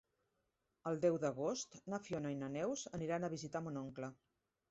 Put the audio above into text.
El deu d'agost na Fiona i na Neus aniran a visitar mon oncle.